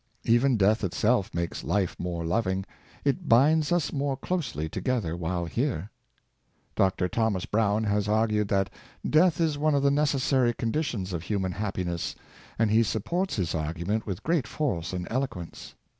Even death itself makes life more loving; it binds us more closely together while here. Dr. Thomas Browne has argued that death is one of the necessary conditions of human happiness, and he supports his argument with The Mystery of Life. 629 great force and eloquence.